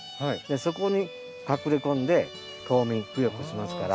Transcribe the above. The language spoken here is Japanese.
そこに隠れこんで冬眠冬を越しますから。